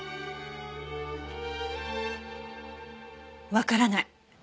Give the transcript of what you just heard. わからない。